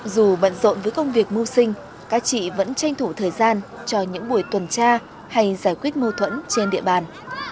dù bận rộn với công việc mưu sinh các chị vẫn tranh thủ thời gian cho những buổi tuần tra hay giải quyết mâu thuẫn trên địa bàn